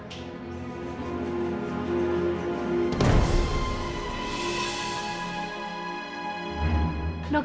dokter pasiennya dok